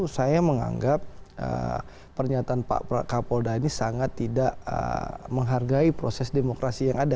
saya menganggap pernyataan pak kapolda ini sangat tidak menghargai proses demokrasi yang ada